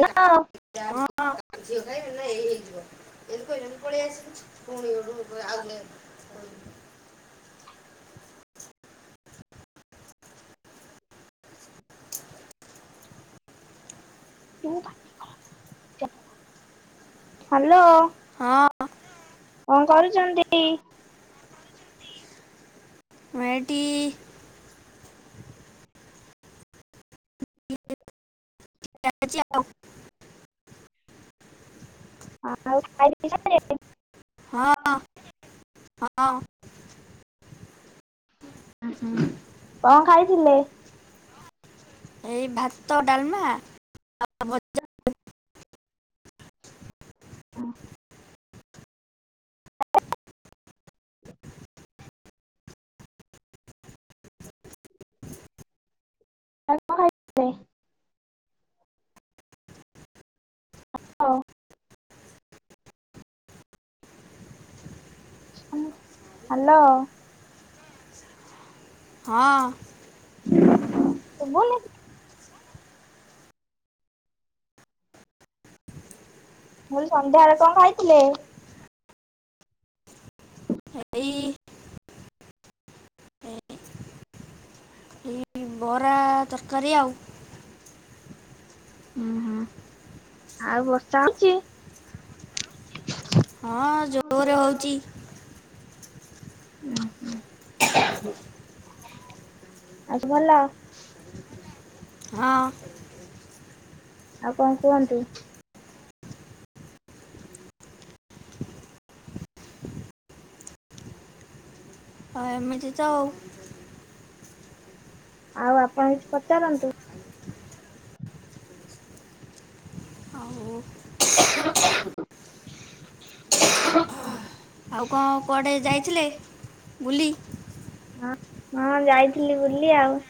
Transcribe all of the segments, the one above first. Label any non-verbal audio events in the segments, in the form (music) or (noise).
Hello. (unintelligible) ଝିଅ ଖାଇବ। ଏଇ ହେଇଯିବ। ଏମିତି କହିଲେ, ମୁଁ ପଳେଇ ଆସିଲି। ପୁଣି (unintelligible) ହ୍ୟାଲୋ। ହଁ। କଣ କରୁଚନ୍ତି? ମୁଁ ଏଇଠି ଚାଲିଛି ଆଉ। ଆଉ (unintelligible) ହଁ। ହଁ। କଣ ଖାଇଥିଲେ? ଏଇ ଭାତ, ଡାଲମା, ଭଜା। ଆଉ କଣ କରୁଚ? (unintelligible) ହ୍ୟାଲୋ। ହଁ। (inaudible) ମୁଁ କହିଲି, ସନ୍ଧ୍ୟାବେଳେ କଣ ଖାଇଥିଲେ? ଏଇ ଏଇ ବରା ତରକାରୀ ଆଉ। ଉଁ ହୁଁ, ଆଉ ବର୍ଷା ହଉଛି। ହଁ, ଉଁ ଜୋରେ ହଉଚି। ଆଉ ସବୁ ଭଲ। ହଁ। ଆଉ କଣ କୁହନ୍ତୁ? ହଁ, ଏମିତି ତ ଆଉ। ଆଉ ଆପଣ କିଛି ପଚାରନ୍ତୁ। ଆଉ। (inaudible) ଆଉ କଣ, କୁଆଡ଼େ ଯାଇଥିଲେ, ବୁଲି? ହଁ ହଁ, ଯାଇଥିଲି ବୁଲି ଆଉ।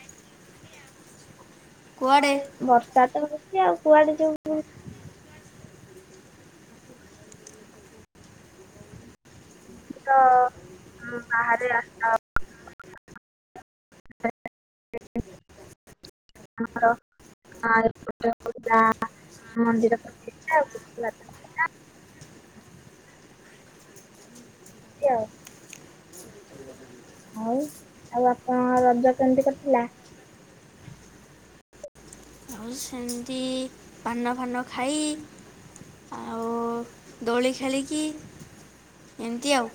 କୁଆଡ଼େ କୁଆଡ ବର୍ଷା ତ ହଉଛି ଆଉ କୁଆଡେ ଯିବୁ। ଟିକ ବାହାରେ (unintelligible) (unintelligible) (unintelligible) (unintelligible) ହଉ ଆଉ ଆପଣ ରଜ କେମିତି କଟିଲା? ଆଉ ସେମିତି ପାନ ଫାନ ଖାଇ ଆଉ ଦୋଳି ଖେଳିକି ଏମିତି ଆଉ।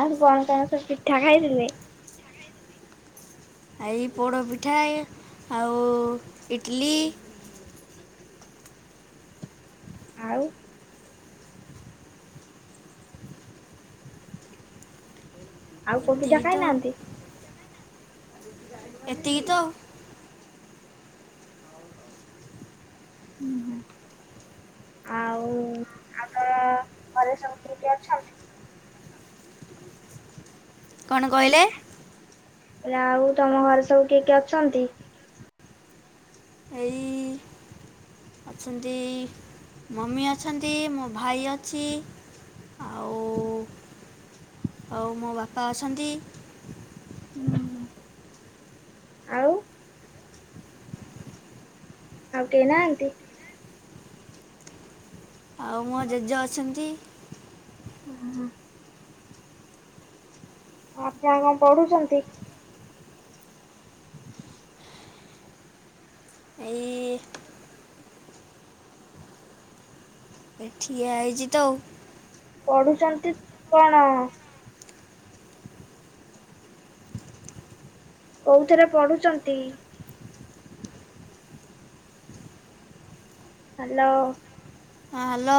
ଆଉ କଣ କଣ ସବୁ ପିଠା ଖାଇଥିଲେ? ଏଇ ପୋଡ଼ପିଠା ଆଉ ଇଡ଼ଲି। ଆଉ ଆଉ କୋଉ ପିଠା ଏତିକି ତ ଆଉ ଖାଇନାହାନ୍ତି? ଏତିକି ତ ଆଉ। ହୁଁ ହୁଁ ଆଉ ଆଗା ଘରେ ସବୁ କେଠି ଅଛନ୍ତି କଣ କହିଲେ? ହେଲେ ଆଉ ତମ ଘରେ ସବୁ କିଏ କିଏ ଅଛନ୍ତି? ଏଇ ଅଛନ୍ତି ମମି ଅଛନ୍ତି ମୋ ଭାଇ ଅଛି। ଆଉ ହୁଁ। ଆଉ ମୋ ବାପା ଅଛନ୍ତି। ହୁଁ। ଆଉ କେହି ନାହାଁନ୍ତି? ଆଉ ମୋ ଜେଜେ ଅଛନ୍ତି। ହୁଁ। ଆପଣ କଣ ପଢୁଛନ୍ତି? ଏଇ ଏ ଠିଆ ଆଇଛି ତ ଆଉ। ପଢୁଛନ୍ତି କଣ? କୋଉଥିରେ ପଢୁଛନ୍ତି? ହ୍ୟାଲୋ। ହଁ ହ୍ୟାଲୋ।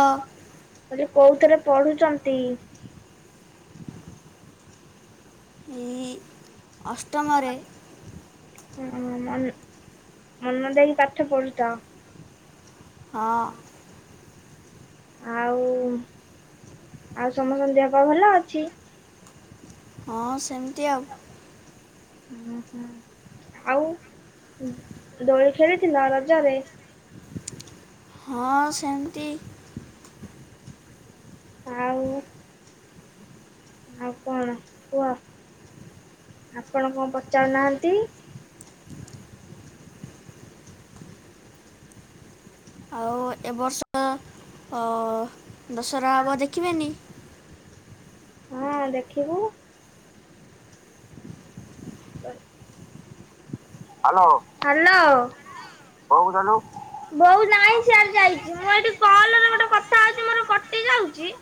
ତମେ କୋଉଥିରେ ପଢୁଛନ୍ତି? ଏଇ ଅଷ୍ଟମରେ ହ ମନ ମନ ଦେଇକି ପାଠ ପଢୁ ତ। ହଁ। ଆଉ ଆଉ ସମସ୍ତଙ୍କ ଦେହ ପା ଭଲ ଅଛି? ହଁ ସେମିତି ଆଉ। ଓ ହୁଁ ଆଉ ଦୋଳି ଖେଳିଥିଲ ରଜରେ? ହଁ ସେମିତି। ଆଉ ଆଉ କଣ କୁହ ଆପଣ କଣ ପଚାରୁନାହାନ୍ତି? ଆଉ ଏବ ବର୍ଷ ଦଶହରା ହେବ ଦେଖିବେନି। ହଁ ଦେଖିବୁ। ପରେ। ହ୍ୟାଲୋ ବୋଉ କୁ ଦେଲୁ। ବୋଉ ନାହିଁ ସିଆଡେ ଯାଇଛି ମୁଁ ଏଠି କଲରେ ଗୋଟେ କଥା ହଉଛି ମୋର କଟି ଯାଉଛି।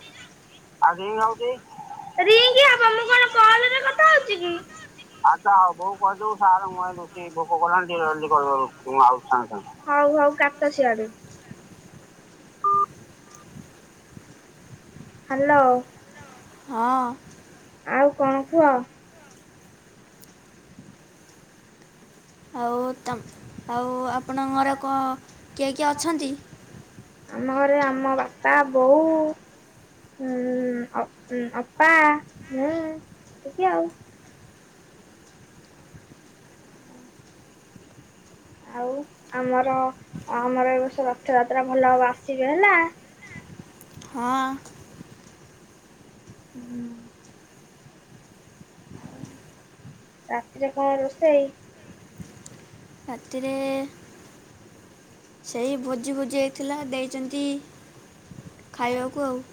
ରୀଙ୍ଗୀ ହବ ମୁଁ କଣ କଲ ରେ କଥା ହଉଚି କି। ଆଛା ହଉ ବୋଉ କହିଦବୁ ସାର୍ (unintelligible) ଭୋକ କଲାନୀ ଟିକେ ଜଲଦି କରିବ ମୁଁ ଆଉଚି ସାଙ୍ଗେ ସାଙ୍ଗେ ହଉ ହଉ କାଟ ସିଆଡୁ। ହ୍ୟାଲୋ ହଁ ଆଉ କଣ କୁହ। ଆଉ ତମ୍ ଆଉ ଆପଣଙ୍କର କଁ କିଏ କିଏ ଅଛନ୍ତି। ଆମ ଘରେ ଆମ ବାପା ବୋଉ। ହୁଁ ଅପ୍ ଅପା ମୁଁ ଏତିକି ଆଉ। ଆଉ ଆମର ଆମର ଏବର୍ଷ ରଥଯାତ୍ରା ଭଲ ହବ ଆସିବେ ହେଲା। ହଁ। ହୁଁ। ରାତିରେ କଣ ରୋଷେଇ। ରାତିରେ ସେଇ ଭୋଜି ଭୋଜି ହେଇଥିଲା ଦେଇଛନ୍ତି ଖାଇବାକୁ ଆଉ।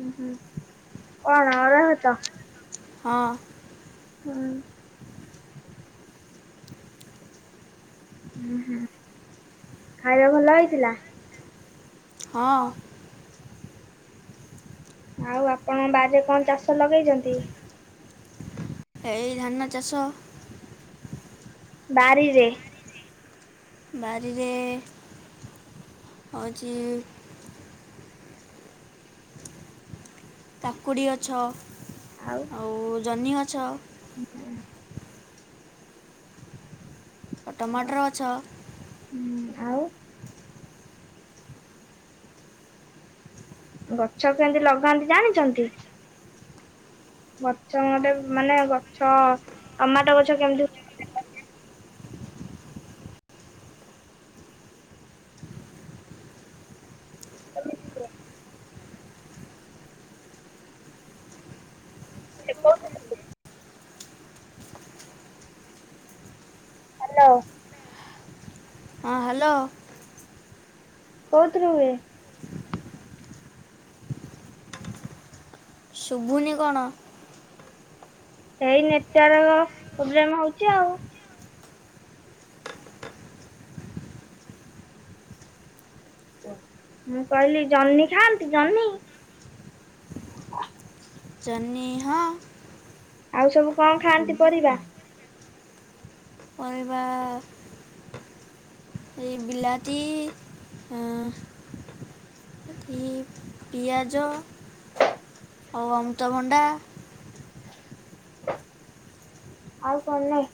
ଉଁ ହୁଁ କଣ ଅରୁଆ ଭାତ। ହଁ। ହୁଁ। ଉଁ ହୁଁ ଖାଇବା ଭଲ ହେଇଥିଲା। ହଁ। ଆଉ ଆପଣଙ୍କ ବାରି ରେ କଣ ଚାଷ ଲଗେଇଛନ୍ତି। ହେଇ ଧାନ ଚାଷ। ବାରିରେ। ବାରିରେ ହଉଚି କକୁଡ଼ି ଗଛ ଆଉ ଜହ୍ନିଗଛ। ହୁଁ। ଟମାଟର ଗଛ। ହୁଁ ଆଉ। ଗଛ କେମତି ଲଗାନ୍ତି ଜାଣିଛନ୍ତି। ଗଛ ଗୋଟେ ମାନେ ଗଛ ଟମାଟ ଗଛ କେମିତି ହୁଏ। ହାଲୋ। ହଁ ହ୍ୟାଲୋ। କୋଉଥୁ ରୁ ହୁଏ। ସୁବୁନି କଣ। ସେଇ ନେଟୱାର୍କ ପ୍ରୋବ୍ଲେମ ହଉଚି ଆଉ। ମୁଁ କହିଲି ଜହ୍ନି ଖାଆନ୍ତି ଜହ୍ନି। ଜହ୍ନି ହଁ। ଆଉ ସବୁ କଣ ଖାଆନ୍ତି ପରିବା। ପରିବା ଏ ଇ ବିିଲାତି ହଁ। ଇଁ ପିଆଜ ଆଉ ଅମୃତଭଣ୍ଡା। ଆଉ କଣ ନାଇ।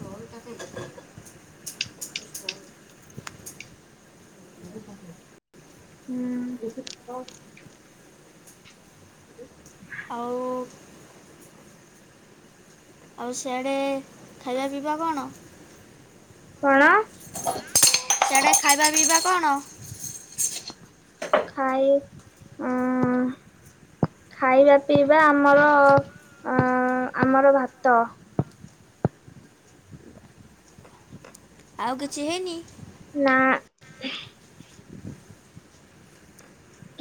(inaudible) (inaudible) ହୁଁ। (inaudible) ଆଉ ଆଉ ସିଆଡେ ଖାଇବା ପିଇବା କଣ? କଣ? ସିଆଡେ ଖାଇବା ପିଇବା କଣ? ଖାଇଏ ଉଁ ଖାଇବା ପିଇବା ଆମର ଅଁ ଆମର ଭାତ। ଆଉ କିଛି ହେଇନି? ନା।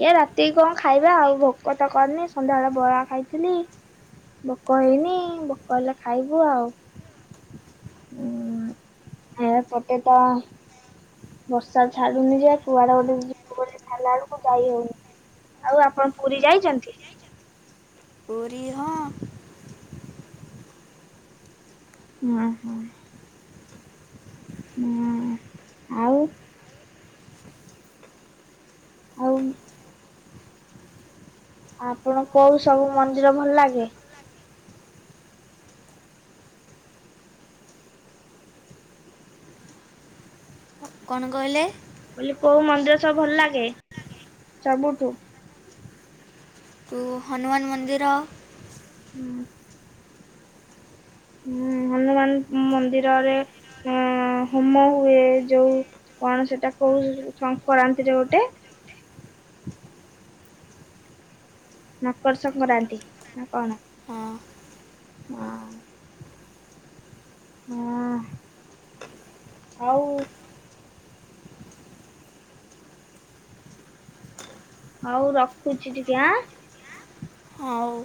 ଖିଆ ରାତି କଣ ଖାଇବା ଆଉ। ଭୋକ ତ କରିନି ସନ୍ଧ୍ୟା ବଳେ ବରା ଖାଇଥିଲି। ଭୋକ ହେଇନି। ଭୋକ ହେଲେ ଖାଇବି ଆଉ। ଉଁ ଏ ଏପଟେ ତ ବର୍ଷା ଛାଡୁନି ଯେ କୁଆଡେ ଗୋଟେ ଯିବୁ ବୋଲି ବାହାଇଲା ବେଳକୁ ଯାଇ ହଉନି। ଆଉ ଆପଣ ପୁରୀ ଯାଇଚନ୍ତି? ପୁରୀ ହଁ। ହଁ ହଁ। ହଁ ଆଉ? ଆଉ ଉଁ ଆପଣ କୋଉ ସବୁ ମନ୍ଦିର ଭଲ ଲାଗେ? କଁ କହିଲେ? ବୋଲି କୋଉ ମନ୍ଦିର ସବୁ ଭଲ ଲାଗେ ସବୁଠୁ? ତୁ ହନୁମାନ ମନ୍ଦିର ହୁଁ। ହୁଁ ହନୁମାନ ମନ୍ଦିରରେ ଅଁ ହୋମ ହୁଏ ଯୋଉ କଣ ସେଟା କୋଉ ସଂକରାନ୍ତି ରେ ଗୋଟେ? ମକର ସଙ୍କରାନ୍ତି ନା କଣ? ହଁ ନା। ହଁ ଆଉ ହଉ ରଖୁଛି ଟିକେ ଆଁ। ହଉ